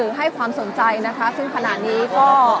และที่อยู่ด้านหลังคุณยิ่งรักนะคะก็คือนางสาวคัตยาสวัสดีผลนะคะ